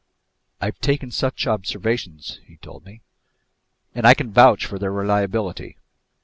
"I've taken such observations," he told me, "and I can vouch for their reliability."